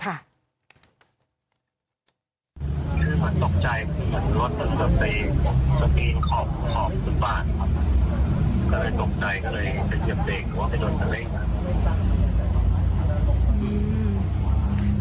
คือมันตกใจรถมันกำลังไปสะดีขอบขอบสุดบ้าน